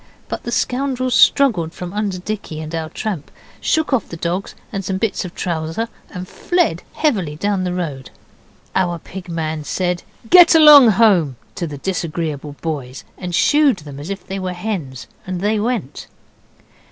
But the scoundrels struggled from under Dicky and our tramp, shook off the dogs and some bits of trouser, and fled heavily down the road. Our Pig man said, 'Get along home!' to the disagreeable boys, and 'Shoo'd' them as if they were hens, and they went.